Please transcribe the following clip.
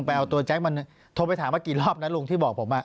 ไปเอาตัวแจ๊คมันโทรไปถามว่ากี่รอบนะลุงที่บอกผม